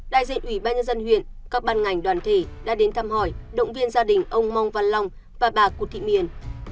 đại diện ủy ban nhân dân huyện các ban ngành đoàn thể đã đến thăm hỏi động viên gia đình ông mong văn long và bà cụt thị miền